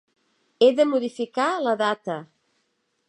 He de modificar la data.